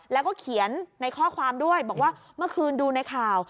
แล้วก็เขียนในข้อความด้วยบอกว่าเมื่อคืนดูในข่าว